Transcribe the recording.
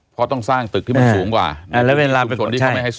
เพราะต้องสร้างตึกที่มันสูงกว่า